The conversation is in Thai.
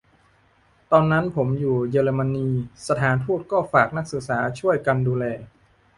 : ตอนนั้นผมอยู่เยอรมนี สถานทูตก็ฝากนักศึกษาช่วยกันดูแล